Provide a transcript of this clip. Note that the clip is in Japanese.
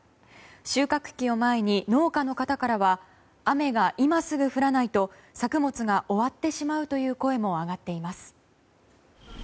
収穫期を前に農家の方からは雨が今すぐ降らないと作物が終わってしまうという声も上がっています。